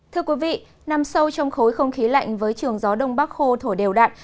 thưa quý vị nằm sâu trong khối không khí lạnh với trường gió đông bắc khô thổi đều đặn